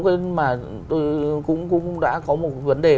tôi cũng đã có một vấn đề